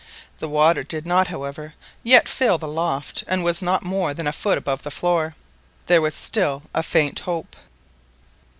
The water did not, however, yet fill the loft, and was not more than a foot above the floor. There was still a faint hope!